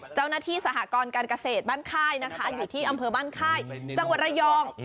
สหกรการเกษตรบ้านค่ายนะคะอยู่ที่อำเภอบ้านค่ายจังหวัดระยอง